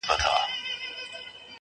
ذکر عبادت او استغفار کوه په نیمه شپه-